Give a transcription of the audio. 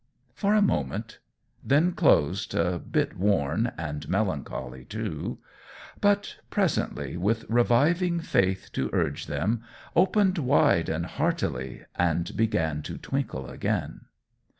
For a moment: then closed, a bit worn, and melancholy, too; but presently, with reviving faith to urge them, opened wide and heartily, and began to twinkle again.